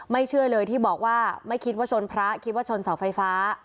เชื่อเลยที่บอกว่าไม่คิดว่าชนพระคิดว่าชนเสาไฟฟ้า